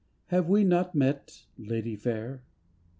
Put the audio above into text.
Have we not met, Lady fair?